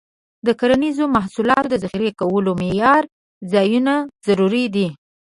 د کرنیزو محصولاتو د ذخیره کولو معیاري ځایونه ضروري دي.